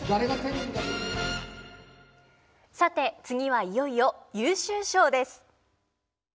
さて次はいよいよ優秀賞です。